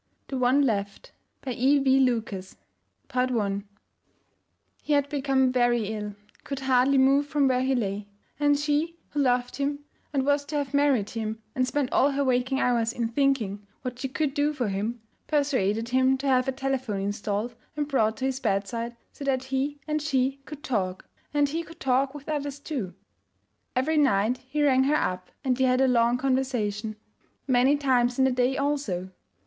THE ONE LEFT BY E. V. LUCAS I HE had become very ill could hardly move from where he lay; and she, who loved him, and was to have married him, and spent all her waking hours in thinking what she could do for him, persuaded him to have a telephone installed and brought to his bedside so that he and she could talk, and he could talk with others, too. Every night he rang her up and they had a long conversation; many times in the day also.